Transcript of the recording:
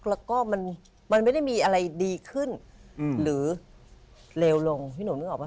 แล้วก็มันไม่ได้มีอะไรดีขึ้นหรือเลวลงพี่หนุ่มนึกออกป